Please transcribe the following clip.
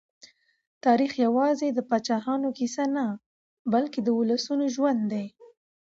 تاریخ یوازې د پاچاهانو کیسه نه، بلکې د ولسونو ژوند دی.